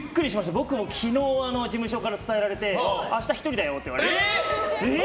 僕も昨日、事務所から伝えられて明日１人だよって言われてえー！